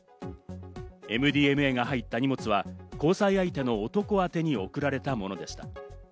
ＭＤＭＡが入った荷物は交際相手の男宛てに送られたものでした。